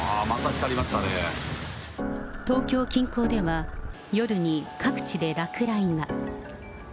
東京近郊では、夜に各地で落雷が。